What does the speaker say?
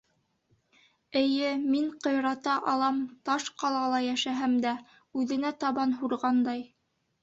Эйе, мин ҡыйрата алам Таш ҡалала йәшәһәм дә, Үҙенә табан һурғандай...